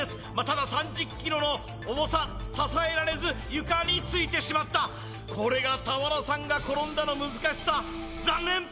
ただ３０ｋｇの重さ支えられず床についてしまったこれが俵さんが転んだの難しさ残念！